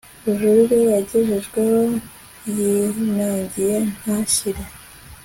bujurire yagejejweho yinangiye ntashyire